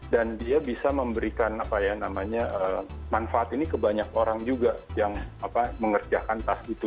dan dia bisa memberikan manfaat ini ke banyak orang juga yang mengerjakan tas itu